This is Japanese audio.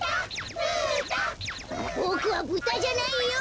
ボクはブタじゃないよ！